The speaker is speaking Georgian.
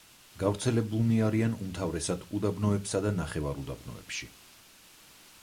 გავრცელებული არიან უმთავრესად უდაბნოებსა და ნახევარუდაბნოებში.